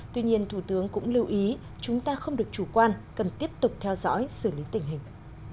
tuy nhiên thủ tướng cũng lưu ý chúng ta không được chủ quan cần tiếp tục theo dõi xử lý tình hình